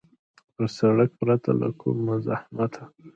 پر سړک پرته له کوم مزاحمته.